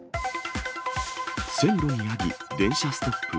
線路にヤギ、電車ストップ。